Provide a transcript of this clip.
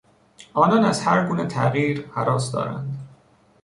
آنان از هر گونه تغییر هراس دارند.